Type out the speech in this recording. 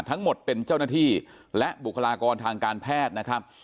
ทั้งหมดเป็นเจ้าหน้าที่และบุคลากรทางการแพทย์นะครับ